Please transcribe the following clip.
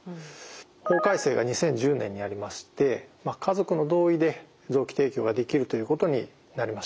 法改正が２０１０年にありまして家族の同意で臓器提供ができるということになりました。